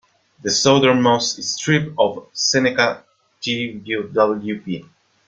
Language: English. The southern most strip of Seneca Twp.